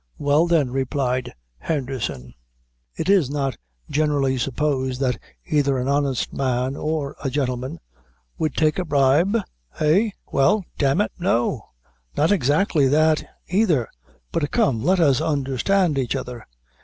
"Well, then," replied Henderson, "it is not generally supposed that either an honest man or a gentleman " "Would take a bribe? eh?" "Well, d n it, no; not exactly that either; but come, let us understand each other.